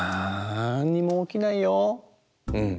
うん。